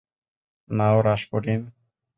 নাও, Rasputin!